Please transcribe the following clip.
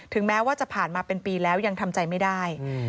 แม้ว่าจะผ่านมาเป็นปีแล้วยังทำใจไม่ได้